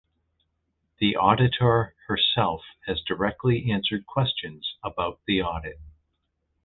The auditor herself has directly answered questions about the audit.